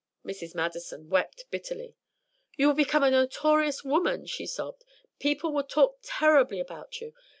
Mrs. Madison wept bitterly. "You will become a notorious woman," she sobbed. "People will talk terribly about you.